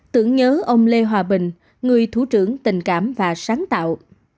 tưởng nhớ ông lê hòa bình người thủ trưởng tình cảm và sáng tạo